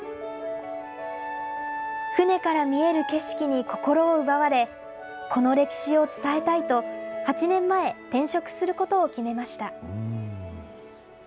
船から見える景色に心を奪われ、この歴史を伝えたいと、８年前、転職することを決めました。